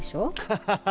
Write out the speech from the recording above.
ハハハ！